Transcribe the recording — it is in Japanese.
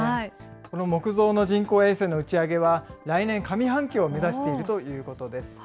この木造の人工衛星の打ち上げは、来年上半期を目指しているということです。